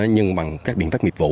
nhưng bằng các biện pháp nghiệp vụ